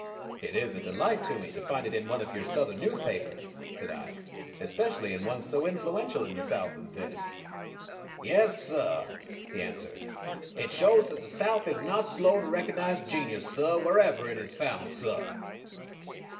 "It is a delight to me to find it in one of your Southern newspapers," said I, "especially in one so influential in the South as this." "Yes, suh," he answered. "It shows that the South is not slow to recognize genius, suh, wherever it is found, suh.